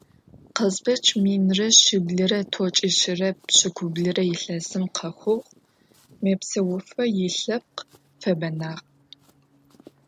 Къызбэч минрэ шъиблрэ тӀокӀищырэ пшӀыкӀублырэ илъэсым къэхъугъ, мэпсэуфэ илъэпкъ фэбэнагъ.